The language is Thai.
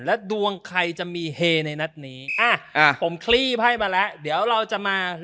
และดวงใครจะมีเฮในนาตริย์อ่ะอ่าผมคลีปให้มาแล้วเดี๋ยวเราจะมาเลือก